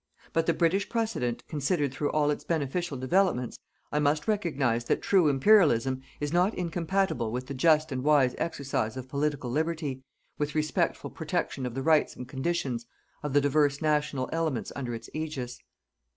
But, the British precedent considered through all its beneficial developments, I must recognize that true Imperialism is not incompatible with the just and wise exercise of political liberty, with respectful protection of the rights and conditions of the divers national elements under its ægis.